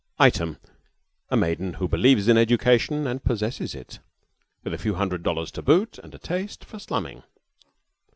Item, a maiden who believes in education and possesses it, with a few hundred thousand dollars to boot and a taste for slumming.